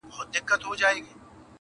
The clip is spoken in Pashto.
د زاړه کفن کښ زوی شنل قبرونه!!